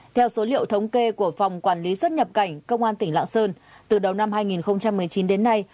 theo số liệu thống kê của phòng quản lý xuất nhập cảnh công an tỉnh lạng sơn từ đầu năm hai nghìn một mươi chín đến nay